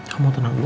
kamu tenang dulu